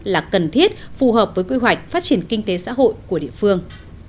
là cần thiết phù hợp với quy hoạch phát triển kinh tế xã hội của địa phương